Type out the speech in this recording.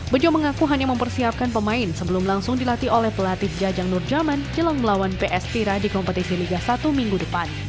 bejo mengaku hanya mempersiapkan pemain sebelum langsung dilatih oleh pelatih jajang nurjaman jelang melawan ps tira di kompetisi liga satu minggu depan